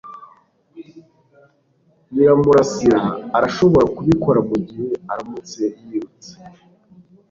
Nyiramurasira arashobora kubikora mugihe aramutse yirutse